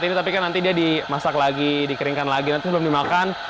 tenang walaupun ini masih berubah jadi kurang bersih